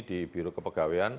di biro kepegawaian